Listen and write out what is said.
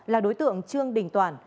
là đối tượng trương đình toản